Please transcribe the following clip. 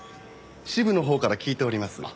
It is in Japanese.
支部のほうから聞いております。